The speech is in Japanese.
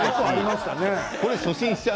これは初心者。